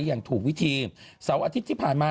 อย่างถูกวิธีเสาร์อาทิตย์ที่ผ่านมา